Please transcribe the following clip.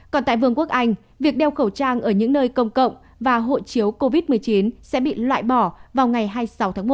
còn tại vương quốc anh việc đeo khẩu trang ở những nơi công cộng và hộ chiếu covid một mươi chín sẽ bị loại bỏ vào ngày hai mươi sáu tháng một